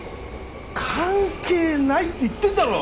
関係ないって言ってるだろう！